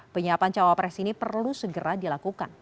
penyiapan cawapres ini perlu segera dilakukan